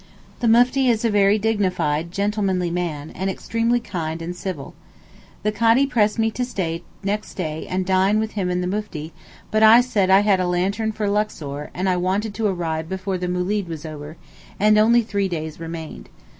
The Mufti is a very dignified gentlemanly man, and extremely kind and civil. The Kadee pressed me to stay next day and dine with him and the Mufti, but I said I had a lantern for Luxor, and I wanted to arrive before the moolid was over, and only three days remained.